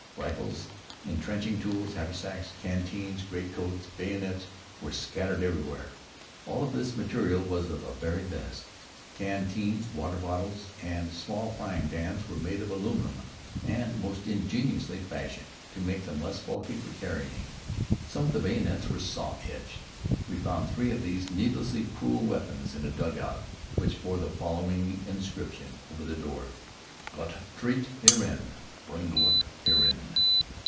Rifles, intrenching tools, haversacks, canteens, greatcoats, bayonets were scattered everywhere. All of this material was of the very best. Canteens, water bottles, and small frying pans were made of aluminum and most ingeniously fashioned to make them less bulky for carrying. Some of the bayonets were saw edged. We found three of these needlessly cruel weapons in a dugout which bore the following inscription over the door: "_Gott tret' herein. Bring' glück herein.